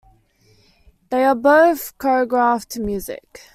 They are both choreographed to music.